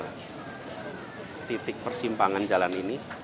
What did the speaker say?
karena itu kami percaya para hakim di majelis mahkamah konstitusi menyadari benar